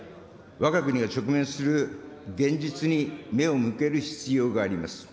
わが国が直面する現実に目を向ける必要があります。